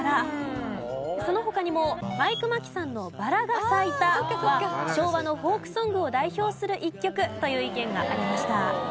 その他にもマイク眞木さんの『バラが咲いた』は昭和のフォークソングを代表する一曲という意見がありました。